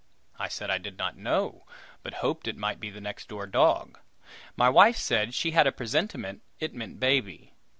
I said I did not know, but hoped it might be the next door dog. My wife said she had a presentiment it meant baby.